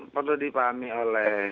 perlu dipahami oleh